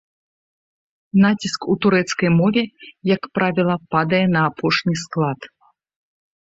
Націск у турэцкай мове, як правіла, падае на апошні склад.